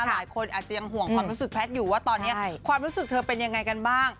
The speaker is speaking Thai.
หลายคนอาจจะยังห่วงความรู้สึกแพทย์อยู่ว่าตอนนี้ความรู้สึกเธอเป็นยังไงกันบ้าง